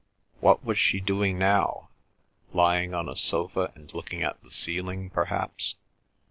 What was she doing now? Lying on a sofa and looking at the ceiling, perhaps.